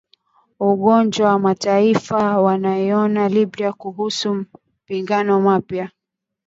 Umoja wa Mataifa waionya Libya kuhusu mapigano mapya.